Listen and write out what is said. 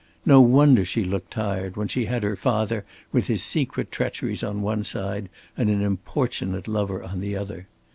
No wonder she looked tired when she had her father with his secret treacheries on one side and an importunate lover upon the other!